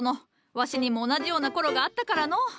わしにも同じような頃があったからのう。